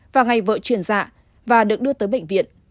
vào ngày vợ chuyển dạ và được đưa tới bệnh viện